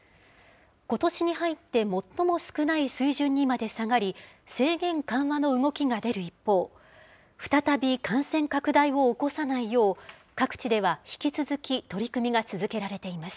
ことしに入って最も少ない水準にまで下がり、制限緩和の動きが出る一方、再び感染拡大を起こさないよう、各地では引き続き取り組みが続けられています。